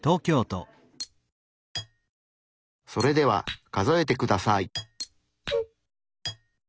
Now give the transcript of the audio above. それでは数えてください。